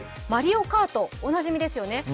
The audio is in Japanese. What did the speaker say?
マリオカート、おなじみですよね。